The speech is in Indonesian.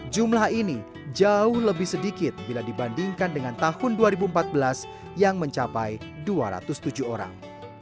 jumlah ini jauh lebih sedikit bila dibandingkan dengan tahun dua ribu empat belas yang mencapai dua ratus tujuh orang